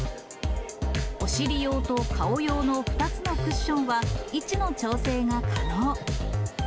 お尻用と顔用の２つのクッションは、位置の調整が可能。